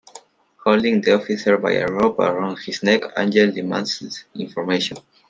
Holding the officer by a rope around his neck, Angel demands information.